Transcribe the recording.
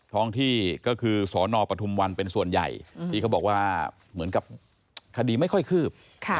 ท้องที่ก็คือสนปทุมวันเป็นส่วนใหญ่ที่เขาบอกว่าเหมือนกับคดีไม่ค่อยคืบ